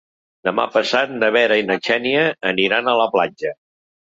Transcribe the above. Demà passat na Vera i na Xènia aniran a la platja.